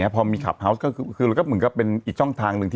พอก็เป็นอีกช่องทางหนึ่ง